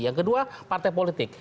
yang kedua partai politik